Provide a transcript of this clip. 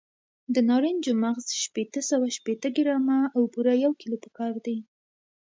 د نارنجو مغز شپږ سوه شپېته ګرامه او بوره یو کیلو پکار دي.